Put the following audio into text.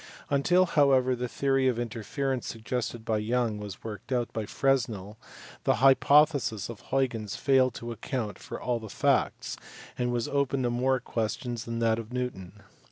Until however the theory of interference suggested by Young, was worked out by Fresnel, the hypothesis of Huygens failed to account for all the facts and was open to more objections than that of Newton.